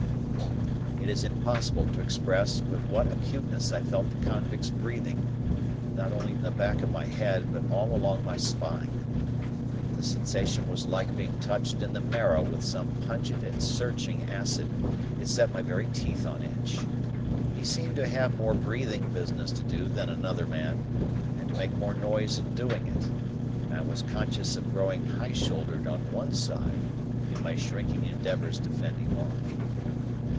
It is impossible to express with what acuteness I felt the convict's breathing, not only on the back of my head, but all along my spine. The sensation was like being touched in the marrow with some pungent and searching acid, it set my very teeth on edge. He seemed to have more breathing business to do than another man, and to make more noise in doing it; and I was conscious of growing high shouldered on one side, in my shrinking endeavours to fend him off.